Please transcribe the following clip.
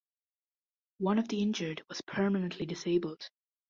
One of the injured was permanently disabled.